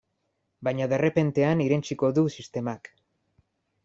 Baina derrepentean irentsiko du sistemak.